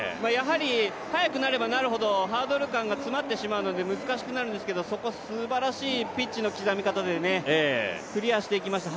速くなればなるほどハードル間が詰まってしまうので難しくなるんですが、そこを、すばらしいピッチの刻み方でクリアしていきました